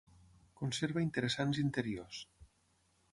Conserva interessants interiors.